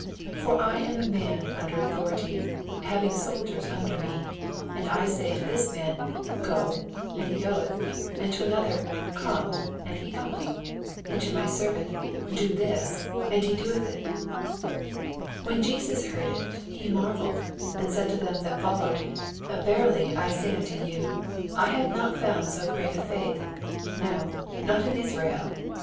9 For I am a man under authority, having soldiers under me : and I say to this nuM, Go, and he goeth ; and to another, Ck)me, and he oometh; and to my servant, Do this, and he doeth it, 10 When Jesus heard it, he mar velled, and said to them that followed, Verilv 1 say unto you, I have not found so ffreat fidth, no, not in Israel.